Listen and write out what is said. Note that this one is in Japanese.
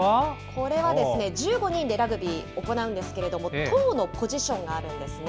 これはですね、１５人でラグビー、行うんですけれども、１０のポジションがあるんですね。